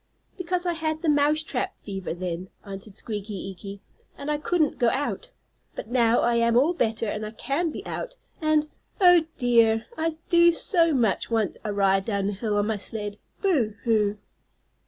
"Because, I had the mouse trap fever, then," answered Squeaky Eeky, "and I couldn't go out. But now I am all better and I can be out, and oh, dear! I do so much want a ride down hill on my sled. Boo, hoo!"